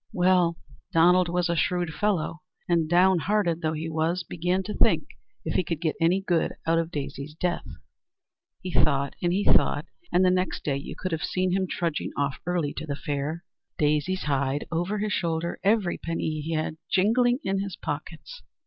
Well, Donald was a shrewd fellow, and down hearted though he was, began to think if he could get any good out of Daisy's death. He thought and he thought, and the next day you could have seen him trudging off early to the fair, Daisy's hide over his shoulder, every penny he had jingling in his pockets.